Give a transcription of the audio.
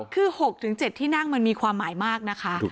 คือ๖๗ที่นั่งมันมีความหมายมากนะคะ